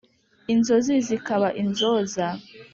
Inzozi zikaba inzoza